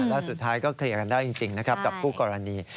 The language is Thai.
และสุดท้ายก็เคลียร์กันได้จริงนะครับกับคู่กรณี